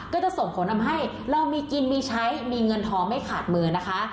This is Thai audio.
ก็จะส่งผลทำให้เรามีกินมีใช้มีเงินทองไม่ขาดมือนะคะ